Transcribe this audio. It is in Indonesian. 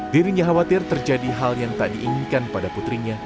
dirinya khawatir terjadi hal yang tak diinginkan pada putrinya